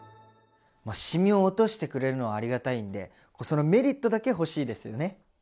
シミを落としてくれるのはありがたいんでそのメリットだけ欲しいですよね。